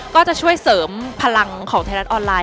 ก็จะช่วยเสริมพลังของไทยรัฐออนไลน